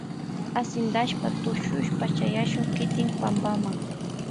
Ashintashpa tushushpa chayashun kiti pampama.